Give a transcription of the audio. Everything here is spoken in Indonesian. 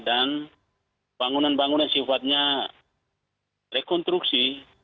dan bangunan bangunan sifatnya rekonstruksi